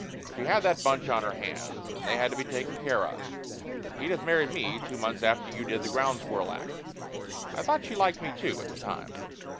She had that bunch on her hands, and they had to be taken care of. Edith married me two months after you did the ground squirrel act. I thought she liked me, too, at the time."